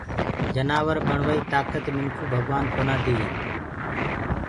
جنآور بڻوآئي تآڪَت منکو ڀگوآن ڪونآ دي